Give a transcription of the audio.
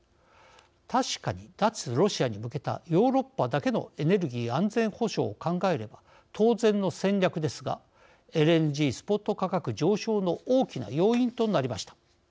確かに脱ロシアに向けたヨーロッパだけのエネルギー安全保障を考えれば当然の戦略ですがＬＮＧスポット価格上昇の大きな要因となりました。